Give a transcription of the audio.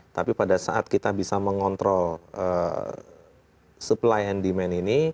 tapi pada saat kita bisa mengontrol supply and demand ini